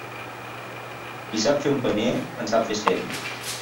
Qui sap fer un paner, en sap fer cent.